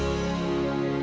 bangun roy bangun